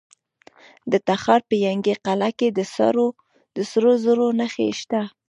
د تخار په ینګي قلعه کې د سرو زرو نښې شته.